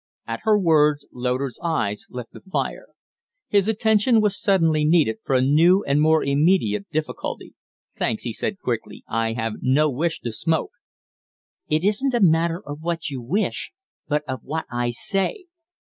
At her words Loder's eyes left the fire. His attention was suddenly needed for a new and more imminent difficulty. "Thanks!" he said, quickly. "I have no wish to smoke." "It isn't a matter of what you wish but of what I say."